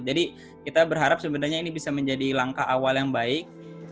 jadi kita berharap sebenarnya ini bisa menjadi langkah awal yang baik